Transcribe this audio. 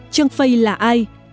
trương phây là ai